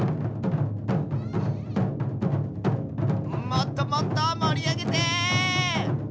もっともっともりあげて！